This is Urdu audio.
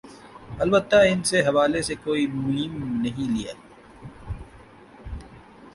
البتہ ان نے اس حوالہ سے کوئی م نہیں لیا